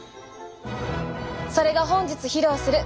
それが本日披露する。